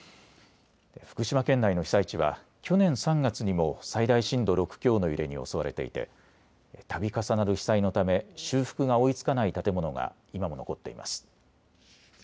福島県内の被災地は去年３月にも最大震度６強の揺れに襲われていてたび重なる被災のため修復が追いつかない建物が今も残っています。